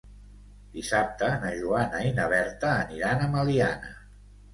Dissabte na Joana i na Berta aniran a Meliana.